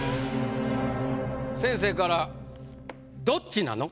先生から「どっちなの？」。